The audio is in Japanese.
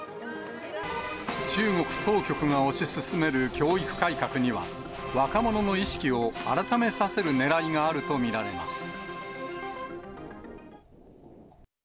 中国当局が推し進める教育改革には、若者の意識を改めさせるねらいがあると見られます。